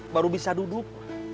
baru bisa duduk